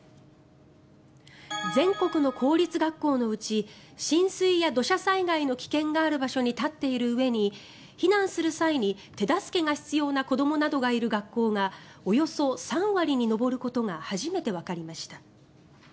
全国の公立学校のうち浸水や土砂災害の危険のある場所の上に立っているうえに避難する際に手助けが必要な子どもなどがいる学校はおよそ３割に上ることが初めてわかりました。